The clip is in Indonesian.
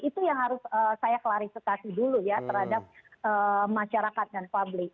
itu yang harus saya klarifikasi dulu ya terhadap masyarakat dan publik